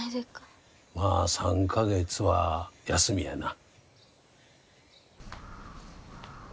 まあ３か月は休みやな。